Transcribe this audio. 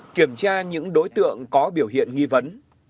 kiểm tra những đối tượng có biểu hiện nghi vấn